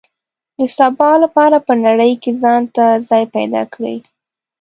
د سبا لپاره په نړۍ کې ځان ته ځای پیدا کړي.